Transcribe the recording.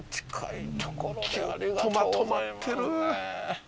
きゅっとまとまってる。